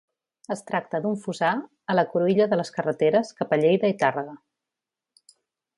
Es tracta d'un fossar a la cruïlla de les carreteres cap a Lleida i Tàrrega.